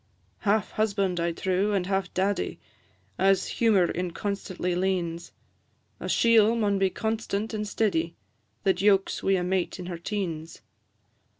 Half husband, I trow, and half daddy, As humour inconstantly leans; A chiel maun be constant and steady, That yokes wi' a mate in her teens.